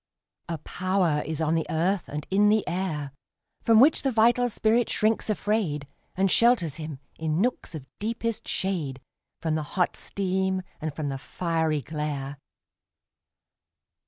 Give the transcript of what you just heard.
A power is on the earth and in the air From which the vital spirit shrinks afraid, And shelters him, in nooks of deepest shade, From the hot steam and from the fiery glare.